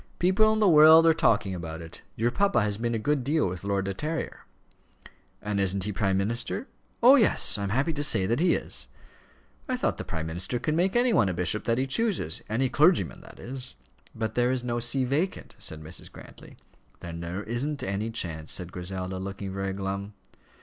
People in the world are talking about it. Your papa has been a good deal with Lord De Terrier." "And isn't he prime minister?" "Oh, yes; I am happy to say that he is." "I thought the prime minister could make any one a bishop that he chooses, any clergyman, that is." "But there is no see vacant," said Mrs. Grantly. "Then there isn't any chance," said Griselda, looking very glum.